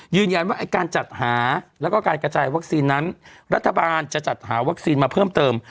ยืนยันว่าการจัดหาแล้วก็การกระจายวัคซีนนั้นรัฐบาลจะจัดหาวัคซีนมาเพิ่มเติม